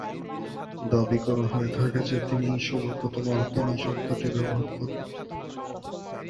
দাবি করা হয়ে থাকে যে তিনিই সর্বপ্রথম আলকেমি শব্দটি ব্যবহার করেন।